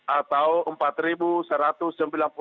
atau empat kakak